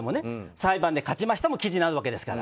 裁判で勝ちましたも記事になるわけですから。